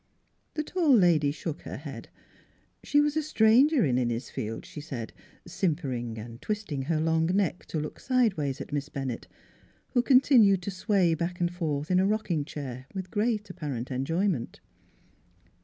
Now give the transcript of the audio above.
The tall lady shook her head. She was a stranger in Innisfield, she said, simpering and twisting her long neck to look sidewise at Miss Bennett, who continued to sway back and forth in a rocking chair with great apparent enjoyment.